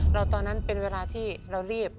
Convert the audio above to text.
แล้วตอนนั้นเป็นเวลาที่เรารีบ